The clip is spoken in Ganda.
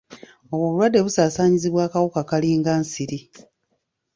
Obwo obulwadde busaasaanyizibwa akawuka kalinga nsiri.